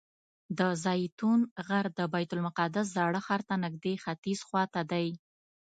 د زیتون غر د بیت المقدس زاړه ښار ته نږدې ختیځ خوا ته دی.